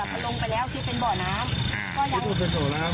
พอลงไปแล้วคิดเป็นบ่อน้ำก็ยังเป็นโสดแล้ว